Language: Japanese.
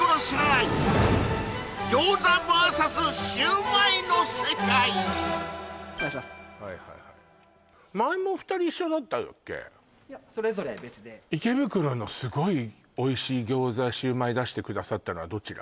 いやそれぞれ別で池袋のすごいおいしい餃子シュウマイ出してくださったのはどちら？